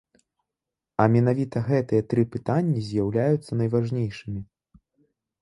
А менавіта гэтыя тры пытанні з'яўляюцца найважнейшымі.